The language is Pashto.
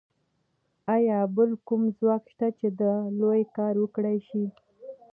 ایا بل کوم ځواک شته چې دا لوی کار وکړای شي